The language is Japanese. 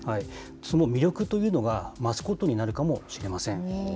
その魅力というのが増すことになるかもしれません。